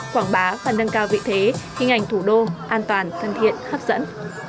quảng bá và nâng cao vị thế hình ảnh thủ đô an toàn thân thiện hấp dẫn